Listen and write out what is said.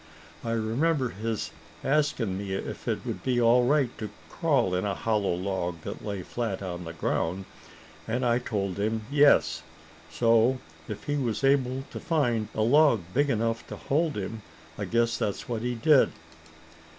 I remember his asking me if it would be all right to crawl in a hollow log that lay flat on the ground, and I told him yes. So if he was able to find a log big enough to hold him, I guess that's what he did."